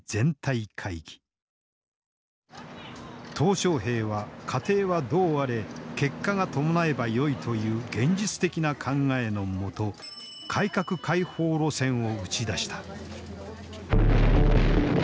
小平は過程はどうあれ結果が伴えばよいという現実的な考えの下改革開放路線を打ち出した。